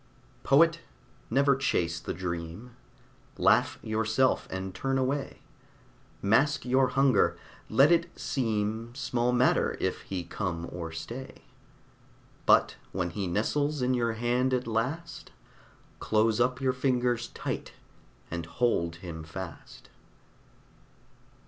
Poet, never chase the dream. Laugh yourself, and turn away. Mask your hunger; let it seem Small matter if he come or stay; But when he nestles in your hand at last, Close up your fingers tight and hold him fast.